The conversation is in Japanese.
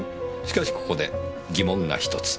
しかしここで疑問が１つ。